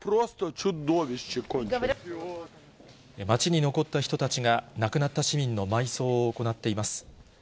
街に残った人たちが、亡くなった市民の埋葬を行っています。